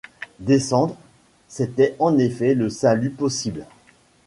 Descendre, c’était en effet le salut possible.